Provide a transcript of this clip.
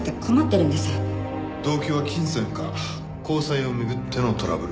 動機は金銭か交際を巡ってのトラブル。